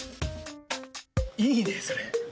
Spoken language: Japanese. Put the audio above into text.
いいね、それ。